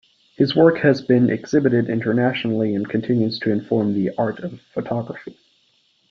His work has been exhibited internationally and continues to inform the art of photography.